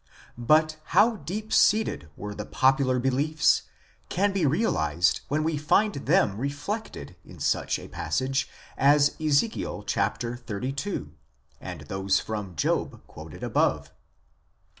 But how deep seated were the popular beliefs can be realized when we find them reflected in such a passage as Ezekiel xxxii., and those from Job quoted above.